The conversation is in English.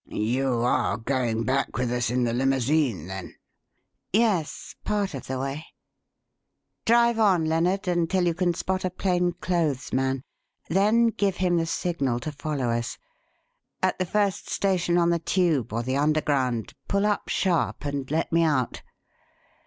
"You are going back with us in the limousine, then?" "Yes part of the way. Drive on, Lennard, until you can spot a plain clothes man, then give him the signal to follow us. At the first station on the Tube or the Underground, pull up sharp and let me out.